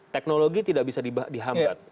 teknologi tidak bisa dihambat